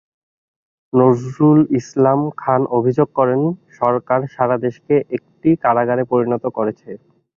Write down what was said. নজরুল ইসলাম খান অভিযোগ করেন, সরকার সারা দেশকে একটি কারাগারে পরিণত করেছে।